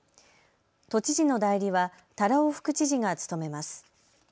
都知事の代理は多羅尾副知事が務めます。